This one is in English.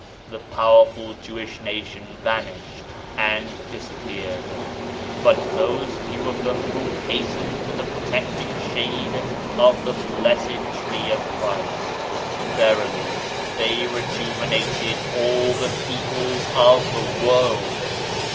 The powerful Jewish nation vanished and dis appeared; but those few of them who hastened to the protecting shade of the Blessed Tree of Christ, verily they rejuvenated all the peoples of the world.